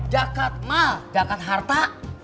jakart mall jakart harta